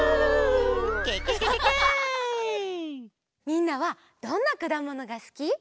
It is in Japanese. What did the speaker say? みんなはどんなくだものがすき？